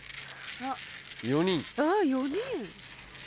あっ４人。